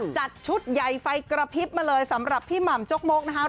จัดชุดใหญ่ไฟกระพริบมาเลยสำหรับพี่หม่ำจกมกนะคะ